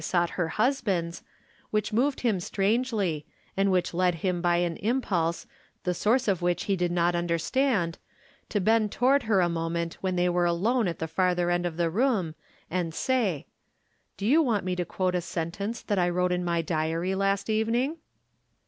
souglit her husband's, which moved him strangely, and which led him hj an impulse, the source of which he did not understand, to bend toward her a moment when they were alone at the farther end of the room, and say :" Do you want me to quote a sentence that I wrote in my Diary last evening?